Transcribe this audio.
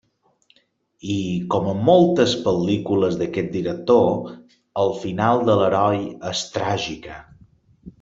I com en moltes pel·lícules d'aquest director, el final de l'heroi és tràgica.